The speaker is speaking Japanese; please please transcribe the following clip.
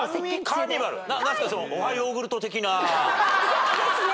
そうですね。